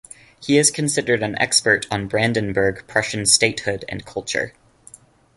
He is considered an expert on (Brandenburg) Prussian statehood and culture.